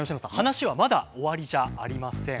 話はまだ終わりじゃありません。